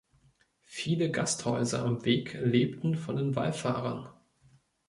Viele Gasthäuser am Weg lebten von den Wallfahrern.